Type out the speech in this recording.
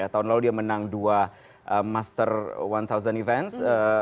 tahun lalu dia menang dua master seribu events